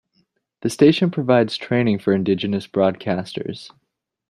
The station provides training for indigenous broadcasters.